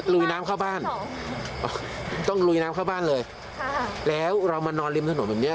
ลุยน้ำเข้าบ้านต้องลุยน้ำเข้าบ้านเลยแล้วเรามานอนริมถนนแบบเนี้ย